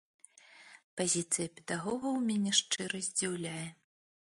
Пазіцыя педагогаў мяне шчыра здзіўляе.